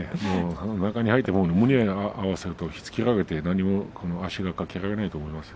中に入って胸を合わせると引き付けられて何も足を掛けられないと思いますよ。